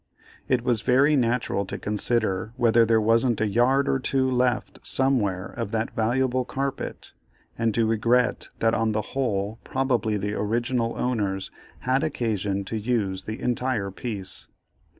It was very natural to consider whether there wasn't a yard or two left somewhere of that valuable carpet, and to regret that on the whole probably the original owners had occasion to use the entire piece.